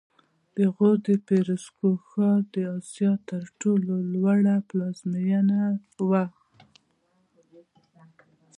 د غور د فیروزکوه ښار د اسیا تر ټولو لوړ پلازمېنه وه